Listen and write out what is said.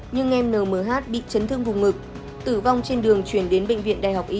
nhưng em nhh bị chấn thương vùng ngực tử vong trên đường chuyển đến bệnh viện đại học y